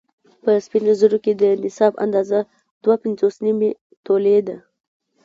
په سپينو زرو کې د نصاب اندازه دوه پنځوس نيمې تولې ده